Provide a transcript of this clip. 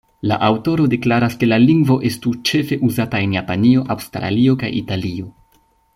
La aŭtoro deklaras ke la lingvo estu ĉefe uzata en Japanio, Aŭstralio kaj Italio.